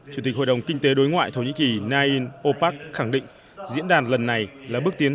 chủ tịch hội đồng kinh tế đối ngoại thổ nhĩ kỳ nain opark khẳng định diễn đàn lần này là bước tiến